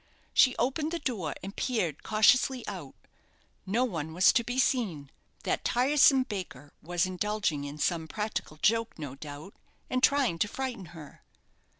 She opened the door and peered cautiously out. No one was to be seen that tiresome baker was indulging in some practical joke, no doubt, and trying to frighten her.